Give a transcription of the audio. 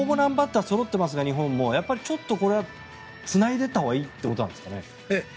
日本もそろっていますがちょっとこれはつないでいったほうがいいということなんですかね？